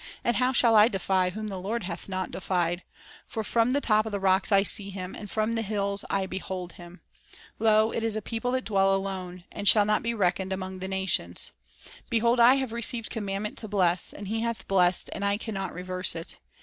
And how shall I defy, whom the Lord hath not defied ? For from the top of the rocks I see him, And from the hills I behold him; Lo, it is a people that dwell alone, And shall not be reckoned among the nations. ... •Job 38:4 27, R. V. ; 38:31, 32. | ;mt 2 : 11 13, R. V. Poetry and Song 161 1 Behold, I have received commandment to bless; And He hath blessed, and I can not reverse it.